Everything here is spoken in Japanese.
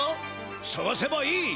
さがせばいい！